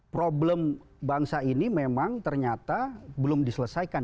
problem bangsa ini memang ternyata belum diselesaikan